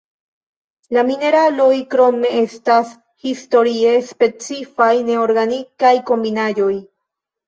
La mineraloj, krome, estas historie specifaj neorganikaj kombinaĵoj.